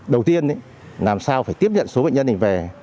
đầu tiên làm sao phải tiếp nhận số bệnh nhân này về